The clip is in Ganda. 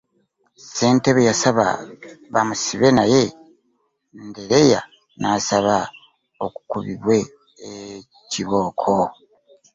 Ssentebe yasaba bamusibe naye ndereya nasaba okubibwe kibooko.